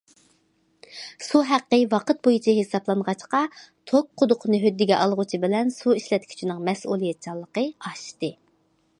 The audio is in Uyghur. سۇ ھەققى ۋاقىت بويىچە ھېسابلانغاچقا، توك قۇدۇقىنى ھۆددىگە ئالغۇچى بىلەن سۇ ئىشلەتكۈچىنىڭ مەسئۇلىيەتچانلىقى ئاشتى.